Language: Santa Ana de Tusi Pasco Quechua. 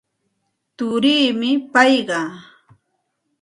Turiimi payqa.